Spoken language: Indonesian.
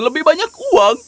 lebih banyak uang